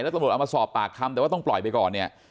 ตำรวจเอามาสอบปากคำแต่ว่าต้องปล่อยไปก่อนเนี่ย